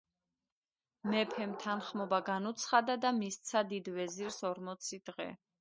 მეფემ თანხმობა განუცხადა და მისცა დიდ ვეზირს ორმოცი დღე